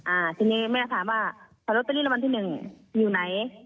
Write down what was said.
อ่าทีนี้แม่ถามว่าพอลอตเตอรี่รางวัลที่หนึ่งอยู่ไหน